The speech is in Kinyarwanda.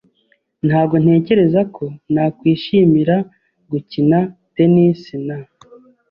Ntabwo ntekereza ko nakwishimira gukina tennis na .